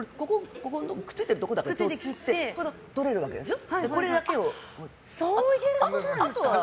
くっついてるところだけ切ってとれるわけでしょ。